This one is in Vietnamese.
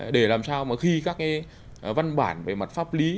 để làm sao mà khi các cái văn bản về mặt pháp lý